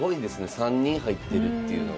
３人入ってるっていうのが。